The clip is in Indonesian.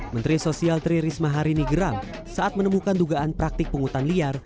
menteri sosial tri risma hari ini geram saat menemukan dugaan praktik pungutan liar